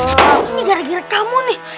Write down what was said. sekarang ini gara gara kamu nih